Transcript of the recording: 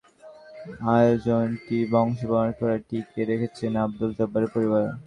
সুদীর্ঘ কাল ধরে বলীখেলার আয়োজনটি বংশপরম্পরায় টিকিয়ে রেখেছেন আবদুল জব্বারের পরিবার।